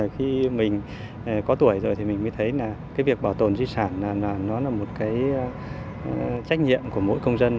khi mình có tuổi rồi thì mình mới thấy là cái việc bảo tồn di sản nó là một cái trách nhiệm của mỗi công dân